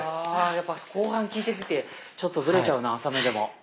あやっぱ後半効いてきてちょっとブレちゃうな浅めでも。